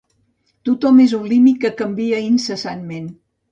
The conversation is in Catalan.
Tothom és un límit que canvia incessantment.